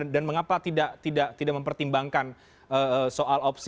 dan mengapa tidak mempertimbangkan soal operasi